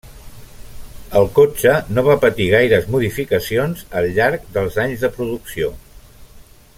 El cotxe no va patir gaires modificacions al llarg dels anys de producció.